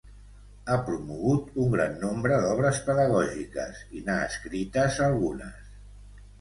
Ha promogut un gran nombre d'obres pedagògiques, i n'ha escrites algunes.